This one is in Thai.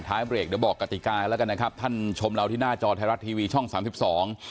เบรกเดี๋ยวบอกกติกากันแล้วกันนะครับท่านชมเราที่หน้าจอไทยรัฐทีวีช่องสามสิบสอง